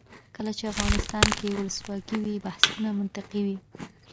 کله چې افغانستان کې ولسواکي وي بحثونه منطقي وي.